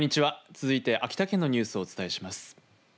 続いて秋田県のニュースをお伝えします。